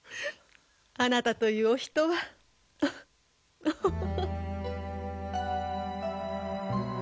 あなたというお人はフフフフ。